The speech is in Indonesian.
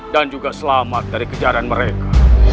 dan juga selamat dari kejaran mereka